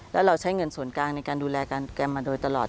แล้วเราใช้เงินส่วนกลางในการดูแลกันแกมมาโดยตลอด